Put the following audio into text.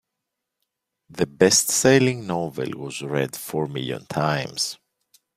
The bestselling novel was read four million times.